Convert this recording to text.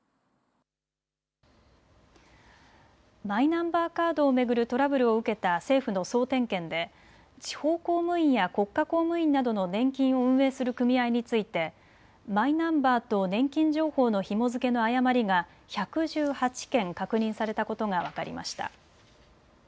マイナンバーカードを巡るトラブルを受けた政府の総点検で地方公務員や国家公務員などの年金を運営する組合についてマイナンバーと年金情報のひも付けの誤りが１１８件確認されたことが分かりました。